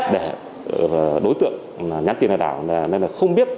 để đối tượng nhắn tin lừa đảo nên là không biết